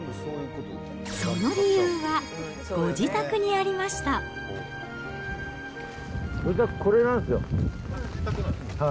その理由は、自宅、これなんですよ。